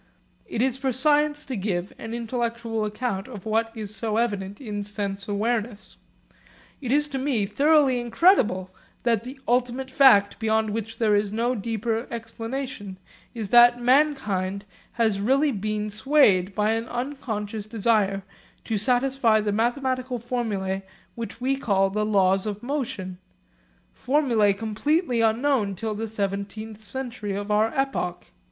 It is for science to give an intellectual account of what is so evident in sense awareness. It is to me thoroughly incredible that the ultimate fact beyond which there is no deeper explanation is that mankind has really been swayed by an unconscious desire to satisfy the mathematical formulae which we call the Laws of Motion, formulae completely unknown till the seventeenth century of our epoch.